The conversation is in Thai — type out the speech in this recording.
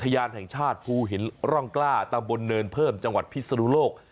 ยานแห่งชาติภูหินร่องกล้าตำบลเนินเพิ่มจังหวัดพิศนุโลก